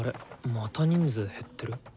また人数減ってる？